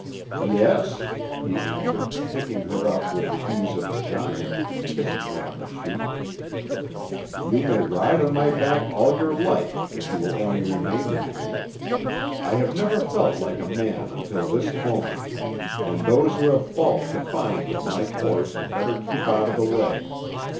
"Yes," he answered, picking her up with the ease of a giant, and kissing her on the cheek. "You may ride on my back all your life if you will only remain with me. I have never felt like a man until this moment, and those who have fault to find with my course had better keep out of the way.